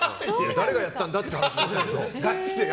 誰がやったんだっていう話で。